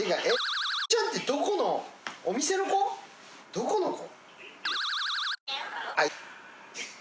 どこの子？